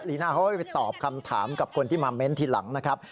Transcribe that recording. ลีน่าเขาก็ไปตอบคำถามกับคนที่มาเม้นต์ทีหลังนะครับ